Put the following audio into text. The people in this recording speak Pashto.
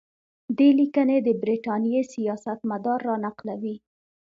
دې لیکنې د برټانیې سیاستمدار را نقلوي.